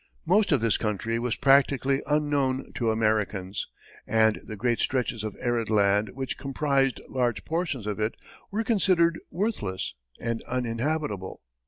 Most of this country was practically unknown to Americans, and the great stretches of arid land which comprised large portions of it were considered worthless and uninhabitable.